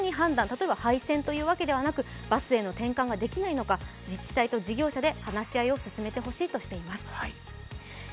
例えば廃線というわけではなくバスへの転換ができないのか、自治体と事業者で話し合いを進めてほしいとしています。